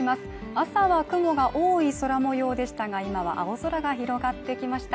朝は雲が多い空模様でしたが今は青空が広がってきました